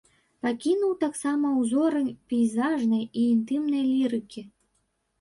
Пакінуў таксама ўзоры пейзажнай і інтымнай лірыкі.